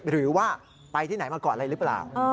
หรือว่าไปที่ไหนมาก่อนอะไรหรือเปล่า